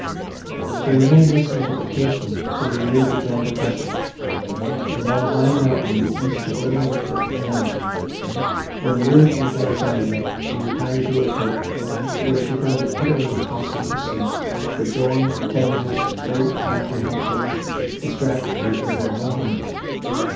She remained listening at the casement, till the air began to freshen, and one high mountain in the east to glimmer with the morning; when, wearied with anxiety, she retired to her couch, where she found it utterly impossible to sleep, for joy, tenderness, doubt and apprehension, distracted her during the whole night.